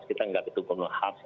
kita tidak itu komnas ham